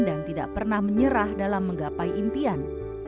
dan tidak pernah menyerah dalam menggapai impian